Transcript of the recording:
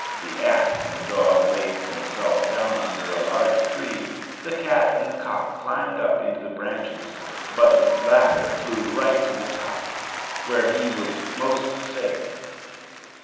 The ass and the dog laid themselves down under a large tree, the cat and the cock climbed up into the branches, but the latter flew right to the top, where he was most safe.